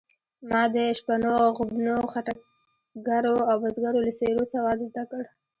ما د شپنو، غوبنو، خټګرو او بزګرو له څېرو سواد زده کړ.